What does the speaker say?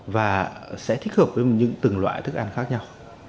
và sẽ thích hợp với những từng loại thức ăn khác nhau